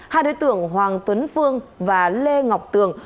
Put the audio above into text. hai đối tượng hoàng tuấn phương và lê ngọc tường